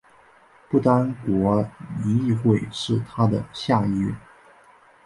不丹国民议会是它的下议院。